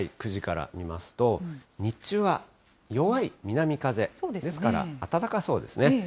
９時から見ますと、日中は弱い南風、ですから、暖かそうですね。